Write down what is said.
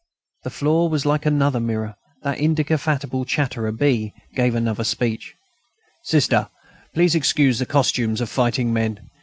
The floor was like another mirror. That indefatigable chatterer B. began another speech: "Sister, please excuse the costumes of fighting men.